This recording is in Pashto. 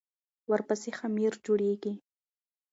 ورپسې خمیر جوړېږي.